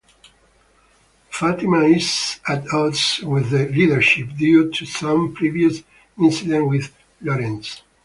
Fatima is at odds with the leadership due to some previous incident with "Lorentz".